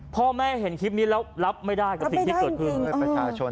พ่อแม่เห็นคลิปนี้แล้วรับไม่ได้กับสิ่งที่เกิดขึ้นประชาชน